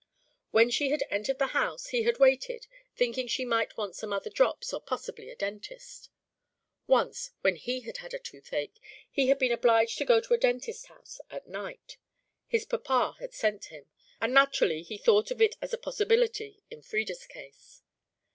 When she had entered the house, he had waited, thinking she might want some other drops or possibly a dentist. Once when he had had a toothache, he had been obliged to go to a dentist's house at night. His papa had sent him, and naturally he thought of it as a possibility in Frieda's case.